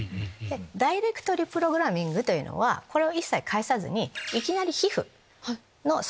ダイレクトリプログラミングはこれを一切介さずにいきなり皮膚の細胞に。